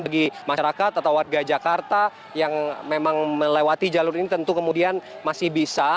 bagi masyarakat atau warga jakarta yang memang melewati jalur ini tentu kemudian masih bisa